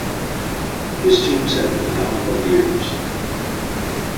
His teams had phenomenal years.